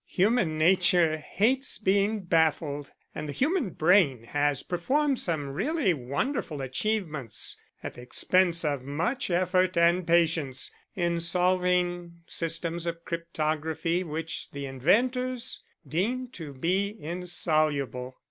Human nature hates being baffled, and the human brain has performed some really wonderful achievements at the expense of much effort and patience in solving systems of cryptography which the inventors deemed to be insoluble.